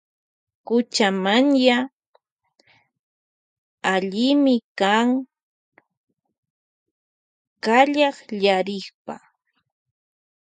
Kuchamanya allimi kan kallakllarikpa.